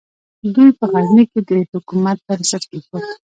دوی په غزني کې د حکومت بنسټ کېښود.